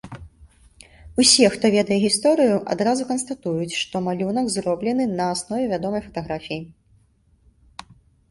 Усе, хто ведае гісторыю, адразу канстатуюць, што малюнак зроблены на аснове вядомай фатаграфіі.